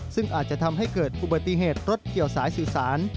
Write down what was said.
ซึ่งอาจจะทำให้เกิดอุบัติเหตุรถเกี่ยวสายสื่อสาร